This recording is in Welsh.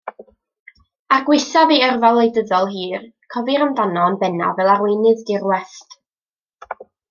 Er gwaethaf ei yrfa wleidyddol hir, cofir amdano yn bennaf fel arweinydd dirwest.